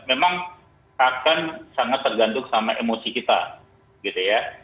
memang akan sangat tergantung sama emosi kita gitu ya